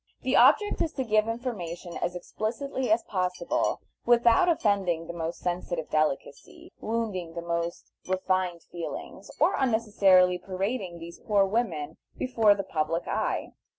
The object is to give information as explicitly as possible without offending the most sensitive delicacy, wounding the most refined feelings, or unnecessarily parading these poor women before the public eye.